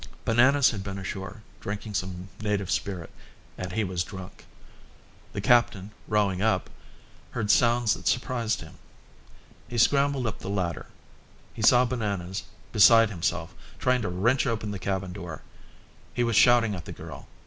Bananas had been ashore, drinking some native spirit, and he was drunk. The captain, rowing up, heard sounds that surprised him. He scrambled up the ladder. He saw Bananas, beside himself, trying to wrench open the cabin door. He was shouting at the girl.